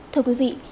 thưa quý vị